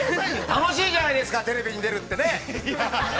◆楽しいじゃないですか、テレビに出るってね。